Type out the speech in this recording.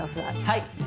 はい。